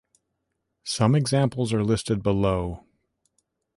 Some examples are listed below.